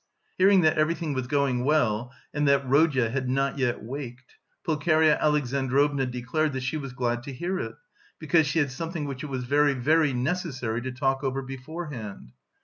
Hearing that everything was going well and that Rodya had not yet waked, Pulcheria Alexandrovna declared that she was glad to hear it, because "she had something which it was very, very necessary to talk over beforehand."